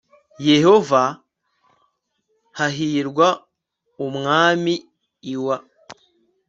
Yehova k hahirwa umwami l wa